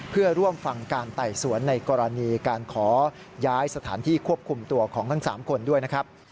เพื่อร่วมฟังการไต่สวนในกรณีการขอย้ายสถานที่ควบคุมตัวของทั้ง๓คนด้วยนะครับ